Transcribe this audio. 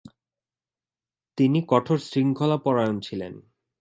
তিনি কঠোর শৃঙ্খলাপরায়ণ ছিলেন।